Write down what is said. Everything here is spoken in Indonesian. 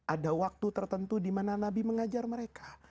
ada waktu tertentu dimana nabi mengajar mereka